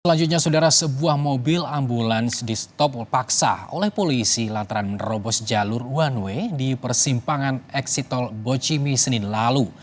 selanjutnya saudara sebuah mobil ambulans di stop paksa oleh polisi lantaran menerobos jalur one way di persimpangan eksitol bocimi senin lalu